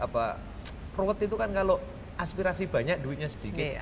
prokot itu kan kalau aspirasi banyak duitnya sedikit